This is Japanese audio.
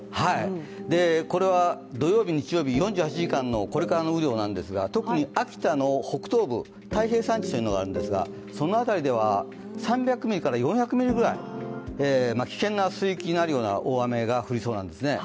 これは土曜日、日曜日、４８時間のこれからの雨量なんですが特に秋田の北東部では、その辺りでは、３００ミリから４００ミリぐらい、危険な水域になるような大雨が降りそうなんですね。